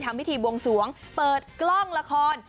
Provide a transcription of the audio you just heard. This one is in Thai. ทำพิธีบวงสวงเปิดกล้องละคร